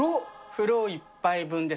風呂一杯分です。